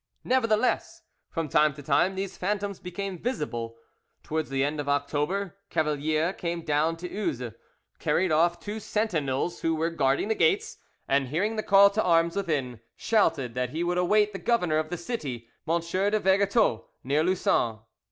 '" Nevertheless, from time to time, these phantoms became visible. Towards the end of October, Cavalier came down to Uzes, carried off two sentinels who were guarding the gates, and hearing the call to arms within, shouted that he would await the governor of the city, M. de Vergetot, near Lussan.